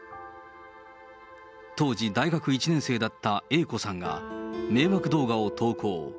当時、大学１年生だったＡ子さんが、迷惑動画を投稿。